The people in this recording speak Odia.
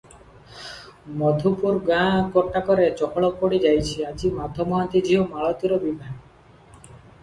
ମଧୁପୁର ଗାଁ ଗୋଟାକରେ ଚହଳ ପଡ଼ି ଯାଇଛି, ଆଜି ମାଧ ମହାନ୍ତି ଝିଅ ମାଳତୀର ବିଭା ।